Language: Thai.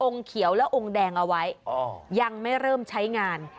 เขียวและองค์แดงเอาไว้ยังไม่เริ่มใช้งาน